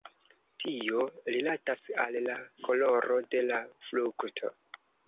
Tio rilatas al la koloro de la frukto.